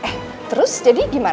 eh terus jadi gimana